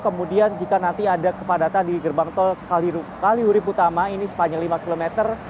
kemudian jika nanti ada kepadatan di gerbang tol kalihurip utama ini sepanjang lima kilometer